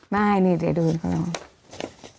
ไม่นี่เดี๋ยวดูเขา